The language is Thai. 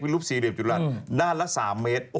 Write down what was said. รูปสี่เหล็บอยู่ด้านละ๓เมตร